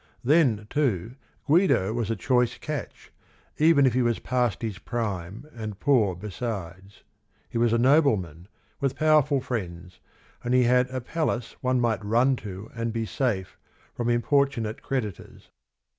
Then, too, Guido was a choice catch, even if he was " past his prime and poor besides." He was a nobleman, with powerful friends, and he had "a palace one might run to and be safe" from importunate creditors.